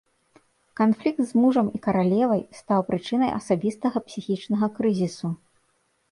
Канфлікт з мужам і каралевай стаў прычынай асабістага псіхічнага крызісу.